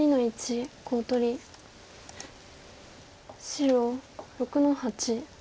白６の八。